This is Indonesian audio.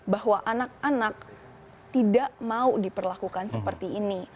bahwa anak anak tidak mau diperlakukan sama sekali